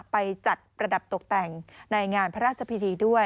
ไปจัดประดับตกแต่งในงานพระราชพิธีด้วย